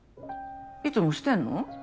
いつもしてんの？